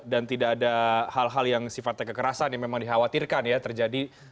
dan tidak ada hal hal yang sifatnya kekerasan yang memang dikhawatirkan ya terjadi